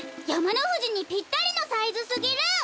やまのふじにぴったりのサイズすぎる！